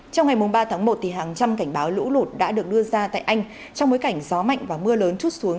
trong ngày ba tháng một hàng trăm cảnh báo lũ lụt đã được đưa ra tại anh trong bối cảnh gió mạnh và mưa lớn chút xuống